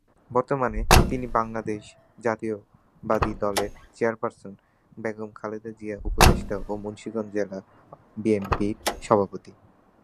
বর্তমানে তিনি বাংলাদেশ জাতীয়তাবাদী দলের চেয়ারপার্সন বেগম খালেদা জিয়ার উপদেষ্টা ও মুন্সিগঞ্জ জেলা বিএনপির সভাপতি।